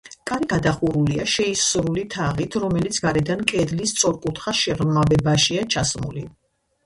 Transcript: კარი გადახურულია შეისრული თაღით, რომელიც გარედან კედლის სწორკუთხა შეღრმავებაშია ჩასმული.